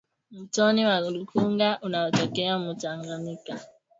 Mtoni wa lukuga unatokea mu tanganika